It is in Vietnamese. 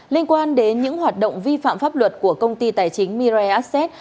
liên quan đến những hoạt động vi phạm pháp luật của công ty tài chính mirai asset